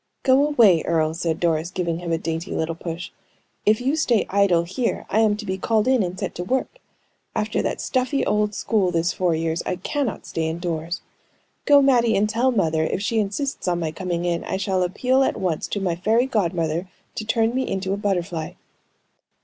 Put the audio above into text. "Go away, Earle!" said Doris, giving him a dainty little push. "If you stay idle here, I am to be called in and set to work. After that stuffy old school this four years, I cannot stay indoors. Go, Mattie, and tell mother if she insists on my coming in, I shall appeal at once to my fairy godmother to turn me into a butterfly."